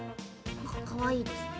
かわいいですね。